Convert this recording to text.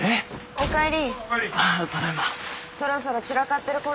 おかえり。